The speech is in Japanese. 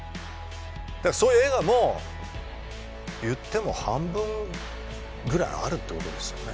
だからそういう映画も言っても半分ぐらいあるってことですよね。